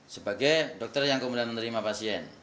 sebagai dokter yang kemudian menerima pasien